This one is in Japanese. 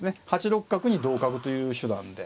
８六角に同角という手段で。